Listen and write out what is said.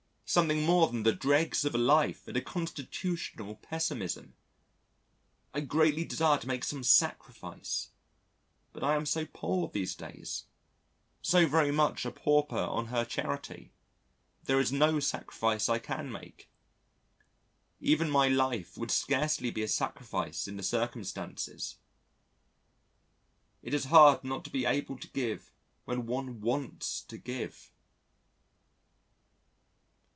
something more than the dregs of a life and a constitutional pessimism. I greatly desire to make some sacrifice, but I am so poor these days, so very much a pauper on her charity, there is no sacrifice I can make. Even my life would scarcely be a sacrifice in the circumstances it is hard not to be able to give when one wants to give.